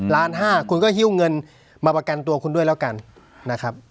ล้านห้าคุณก็หิ้วเงินมาประกันตัวคุณด้วยแล้วกันนะครับ